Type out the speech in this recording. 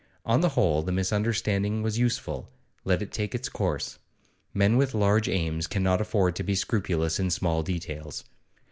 On the whole, the misunderstanding was useful; let it take its course. Men with large aims cannot afford to be scrupulous in small details.